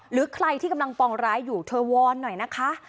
หรือใครที่กำลังปองร้ายอยู่เธอวอนหน่อยนะคะ